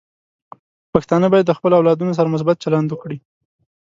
پښتانه بايد د خپلو اولادونو سره مثبت چلند وکړي.